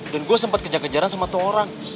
dan gue sempet kejar kejaran sama tuh orang